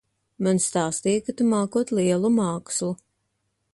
Man stāstīja, ka tu mākot lielu mākslu.